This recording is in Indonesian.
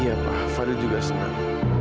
iya pak fadli juga senang